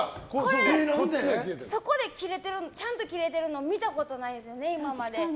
そこでちゃんと切れてるの見たことないです、今まで。